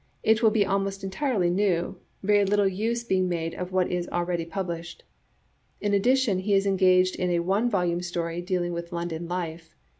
It will be almost entirely new, very little use being made of what is already pub lished. In addition, he is engaged on a one volume story dealing with London life.